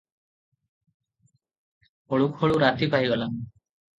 ଖୋଳୁ ଖୋଳୁ ରାତି ପାହିଗଲା ।